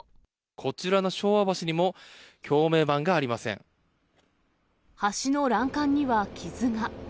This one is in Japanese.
こちらの昭和橋にも、橋名板橋の欄干には傷が。